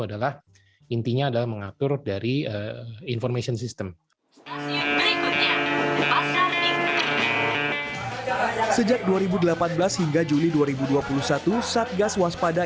adalah intinya adalah mengatur dari information system sejak dua ribu delapan belas hingga juli dua ribu dua puluh satu satgas waspada